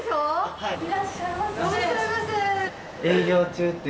はい。